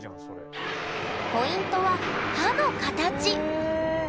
ポイントは歯の形。